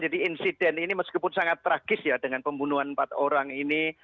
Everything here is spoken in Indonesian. insiden ini meskipun sangat tragis ya dengan pembunuhan empat orang ini